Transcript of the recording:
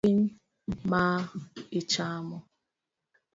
Gin winy ma ichamo?